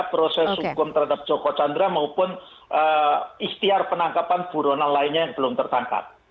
proses hukum terhadap joko chandra maupun ikhtiar penangkapan buronan lainnya yang belum tertangkap